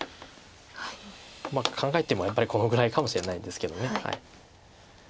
考えてもやっぱりこのぐらいかもしれないんですけど。